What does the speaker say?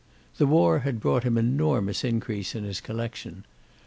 The war had brought him enormous increase in his collection.